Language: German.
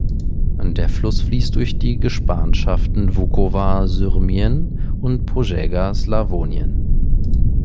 Der Fluss fließt durch die Gespanschaften Vukovar-Syrmien und Požega-Slawonien.